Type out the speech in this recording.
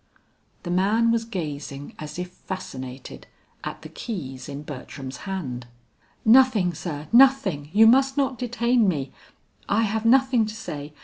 The man was gazing as if fascinated at the keys in Bertram's hand. "Nothing sir, nothing. You must not detain me; I have nothing to say.